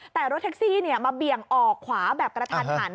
แต่รถแท็กซี่มาเบี่ยงออกขวาแบบกระทันหัน